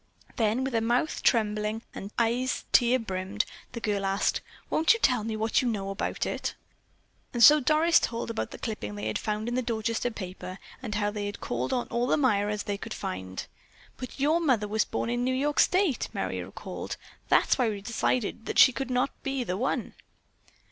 Then with mouth trembling and eyes tear brimmed, the girl asked: "Won't you tell me what you know about it?" And so Doris told about the clipping they had found in the Dorchester paper, and how they had called on all the Myras they could find. "But your mother was born in New York state," Merry recalled. "That is why we decided that she could not be the one."